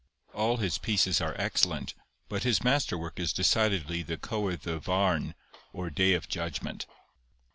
All his pieces are excellent, but his master work is decidedly the Cywydd y Farn, or Day of Judgment.